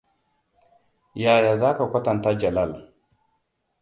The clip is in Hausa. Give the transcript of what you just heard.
Yaya za ka kwatanta Jalal?